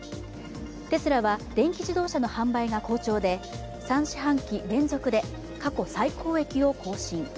テスラは、電気自動車の販売が好調で３四半期連続で過去最高益を更新。